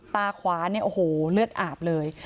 ตาขวาเนี่ยโอ้โหเลือดอาบเลย